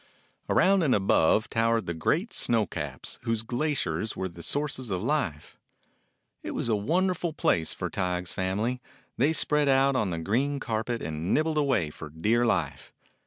Around and above 9 DOG HEROES OF MANY LANDS towered the great snow caps, whose glaciers were the sources of life. It was a wonderful place for Tige's family. They spread out on the green carpet and nib bled away for dear life.